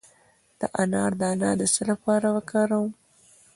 د انار دانه د څه لپاره وکاروم؟